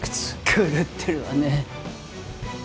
狂ってるわね。